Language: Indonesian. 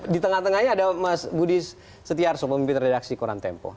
di tengah tengahnya ada mas budi setiarso pemimpin redaksi koran tempo